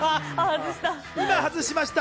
今、外しました。